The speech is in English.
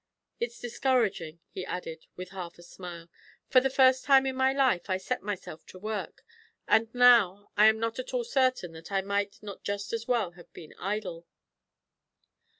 It's discouraging," he added, with half a smile; "for the first time in my life I set myself to work; and now am not at all certain that I might not just as well have been idle."